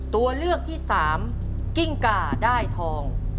ตัวเลือกที่สามกิ้งก่าได้ทอง